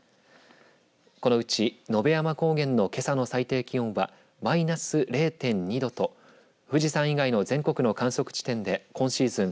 このうち野辺山高原のけさの最低気温はマイナス０．２度と富士山以外の全国の観測地点で今シーズン